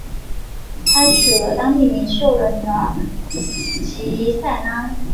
他娶了当地领袖的女儿吉塞拉。